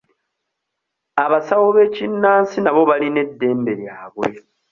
Abasawo b'ekinnansi nabo balina eddembe lyabwe.